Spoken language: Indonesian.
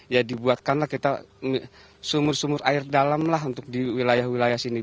ya dibuatkanlah kita sumur sumur air dalam lah untuk di wilayah wilayah sini